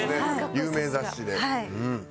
有名雑誌で。